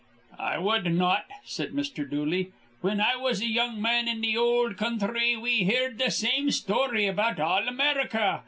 "I wud not," said Mr. Dooley. "Whin I was a young man in th' ol' counthry, we heerd th' same story about all America.